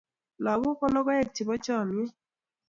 lagok ko logoek chebo chamiet.